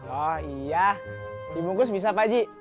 oh iya dibungkus bisa pak ji